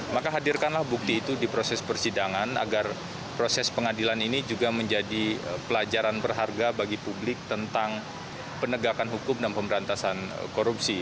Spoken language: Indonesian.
maka hadirkanlah bukti itu di proses persidangan agar proses pengadilan ini juga menjadi pelajaran berharga bagi publik tentang penegakan hukum dan pemberantasan korupsi